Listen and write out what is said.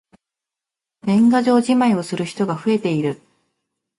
年賀状じまいをする人が増えている。